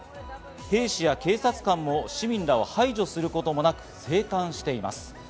兵士や警察官も、市民らを排除することもなく静観しています。